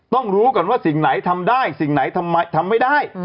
รู้ก่อนว่าสิ่งไหนทำได้สิ่งไหนทำไม่ได้